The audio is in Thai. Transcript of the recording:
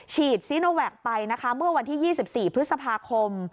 ฉีดซีโนแวคไปนะคะเมื่อวันที่๒๔พฤษภาคม